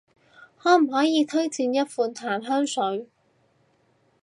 可唔可以推薦一款淡香水？